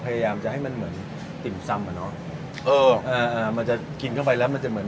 พยายามจะให้มันเหมือนติ่มซ่ำอ่ะเนอะเอออ่ามันจะกินเข้าไปแล้วมันจะเหมือน